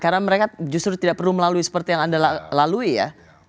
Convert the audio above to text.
karena mereka justru tidak perlu melalui seperti yang anda lalui ya